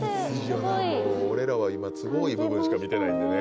もう俺らは今都合いい部分しか見てないんでね